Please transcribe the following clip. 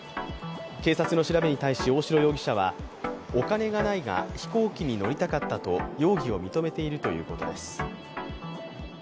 警察の調べに対し大城容疑者はお金がないが飛行機に乗りたかったと容疑を認めているということです。